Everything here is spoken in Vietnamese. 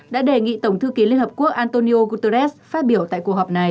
đã đề nghị tổng thư ký liên hợp quốc antonio guterres phát biểu tại cuộc họp này